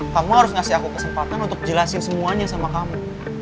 kamu harus ngasih aku kesempatan untuk jelasin semuanya sama kamu